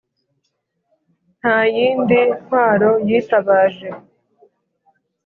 nta yindi ntwaro yitabaje